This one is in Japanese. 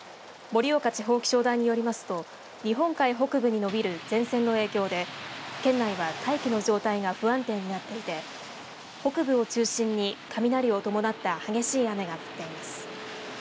盛岡地方気象台によりますと日本海北部に延びる前線の影響で県内は大気の状態が不安定になっていて北部を中心に雷を伴った激しい雨が降っています。